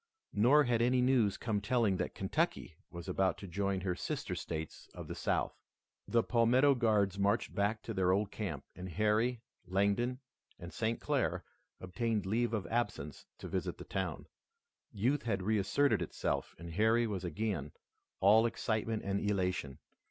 Nor had any news come telling that Kentucky was about to join her sister states of the South. The Palmetto Guards marched back to their old camp, and Harry, Langdon, and St. Clair obtained leave of absence to visit the town. Youth had reasserted itself and Harry was again all excitement and elation.